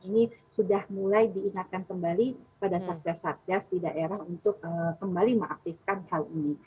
ini sudah mulai diingatkan kembali pada satgas satgas di daerah untuk kembali mengaktifkan hal ini